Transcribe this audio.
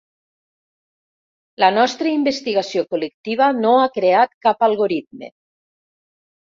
La nostra investigació col·lectiva no ha creat cap algoritme.